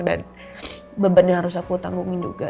dan beban yang harus aku tanggungin juga